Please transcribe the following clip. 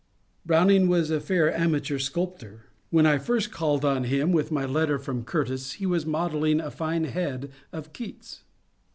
Brown ing was a fair amateur sculptor : when I first called on him. 32 MONCURE DANIEL CONWAY with my letter from Curtis, he was modelling a fine head of Keats.